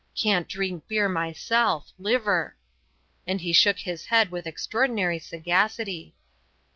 Can't drink beer myself. Liver." And he shook his head with extraordinary sagacity.